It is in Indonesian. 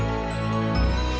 terima kasih pak ya